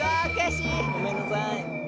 ごめんなさい。